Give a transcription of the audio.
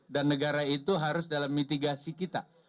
dan negara itu harus dalam mitigasi kita